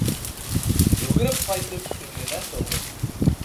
Йүгереп ҡайтып, өңөнә шылды.